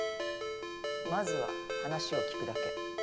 まずは話を聞くだけ。